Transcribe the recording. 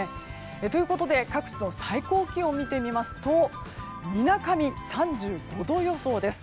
ということで、各地の最高気温を見てみますとみなかみ、３５度予想です。